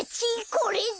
これだ！